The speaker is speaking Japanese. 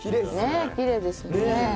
ねえきれいですね。